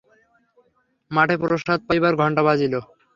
মঠে প্রসাদ পাইবার ঘণ্টা বাজিল।